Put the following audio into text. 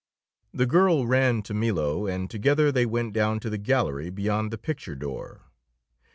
The girl ran to Milo, and together they went down to the gallery beyond the picture door.